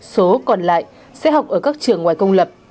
số còn lại sẽ học ở các trường ngoài công lập